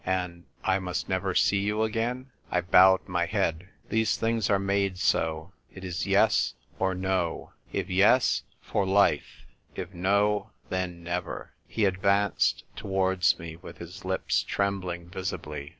"And — I must never sec you again ?" I bowed my head. " Tiiese things arc made so. It is yes or nu. Uycs, for hfc ; if uo, then never." He advanced towards me, with his lips trembling visibly.